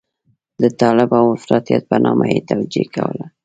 د طالب او افراطيت په نامه یې توجیه کوله.